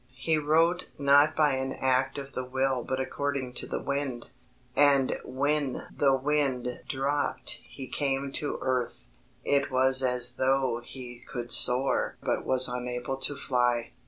He wrote not by an act of the will but according to the wind, and when the wind dropped he came to earth. It was as though he could soar but was unable to fly.